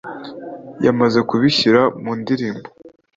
yamaze no kubishyira mu ndirimbo